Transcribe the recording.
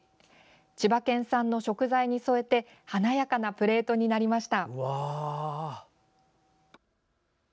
千葉県産の食材に添えて華やかなプレートになりました。